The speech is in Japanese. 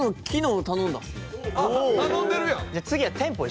あっ頼んでるやん！